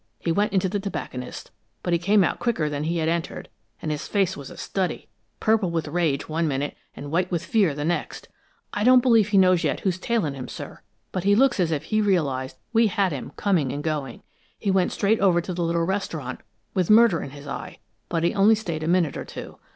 He went into the tobacconist's, but he came out quicker than he had entered, and his face was a study purple with rage one minute, and white with fear the next. I don't believe he knows yet who's tailing him, sir, but he looks as if he realized we had him coming and going. He went straight over to the little restaurant, with murder in his eye, but he only stayed a minute or two.